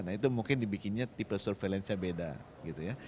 nah itu mungkin dibikinnya tipe surveillance nya beda gitu ya